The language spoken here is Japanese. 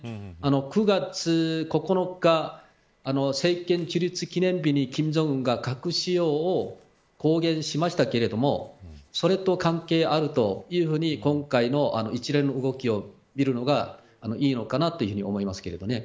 ９月９日政権樹立記念日に金正恩が核使用を公言しましたけれどもそれと関係あるというふうに今回の一連の動きを見るのがいいのかなと思いますけどね。